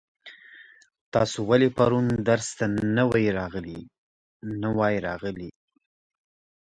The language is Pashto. تاسو ولې پرون درس ته نه وای راغلي؟